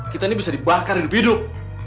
kita ini bisa dibakar hidup hidup